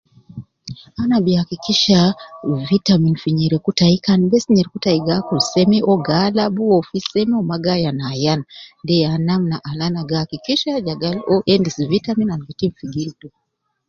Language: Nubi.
Ana bi hakikisha wu vitamin fi nyereku tayi kan bes nyereku tayi gi akul seme, uwo gi alabu, uwo fi seme, uwo mma gi ayan ayan, deya namna al ana gi hakikisha jegal uwo endis vitamin al gitim fi gildu.